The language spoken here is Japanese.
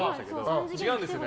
違うんですよね。